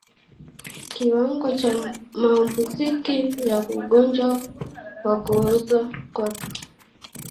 Kiwango cha maambukizi ya ugonjwa wa kuoza kwato